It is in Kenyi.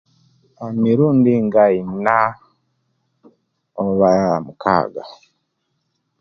Emirundi nga ina oba mukaga